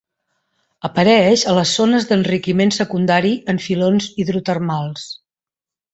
Apareix a les zones d'enriquiment secundari en filons hidrotermals.